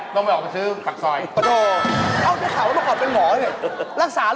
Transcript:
ต้องไม่ออกไปซื้อฝักซอย